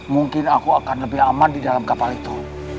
mungkin aku akan lebih aman di dalam kapal itu